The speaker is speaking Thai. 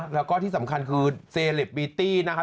แล้วก็ที่สำคัญคือเซเลปบีตี้นะคะ